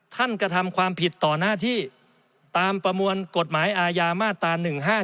กระทำความผิดต่อหน้าที่ตามประมวลกฎหมายอาญามาตรา๑๕๗